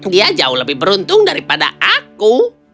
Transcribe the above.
dia jauh lebih beruntung daripada aku